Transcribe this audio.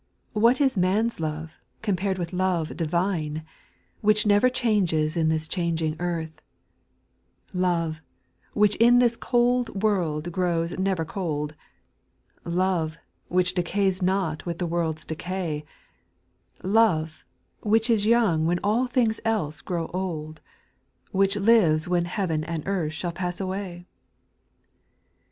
What is man's love compared with love divine, "Which never changes in this changing earth ; Love, which in this cold world grows never cold, Love, which decays not with the world's decay, Love, which is young when all things else grow old, Which lives when heaven and earth shall pass away